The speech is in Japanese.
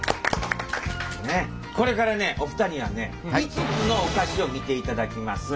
これからねお二人にはね５つのお菓子を見ていただきます。